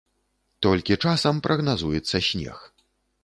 Толькі часам прагназуецца снег.